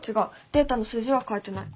データの数字は変えてない。